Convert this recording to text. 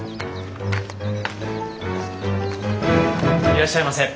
いらっしゃいませ。